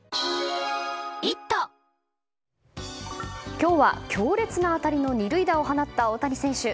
今日は強烈な当たりの２塁打を放った大谷選手。